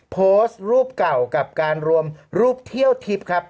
โพสต์รูปเก่ากับการรวมรูปเที่ยวทิพย์ครับ